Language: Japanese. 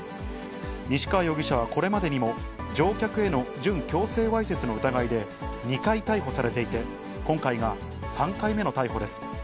西川容疑者はこれまでにも乗客への準強制わいせつの疑いで２回逮捕されていて、今回が３回目の逮捕です。